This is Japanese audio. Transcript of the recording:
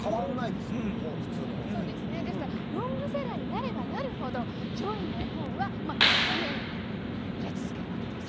ロングセラーになればなるほど上位の絵本は長年、売れ続けるわけです。